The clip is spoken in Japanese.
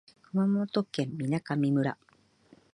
熊本県水上村